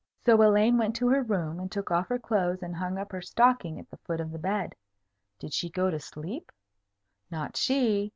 So Elaine went to her room, and took off her clothes, and hung up her stocking at the foot of the bed. Did she go to sleep? Not she.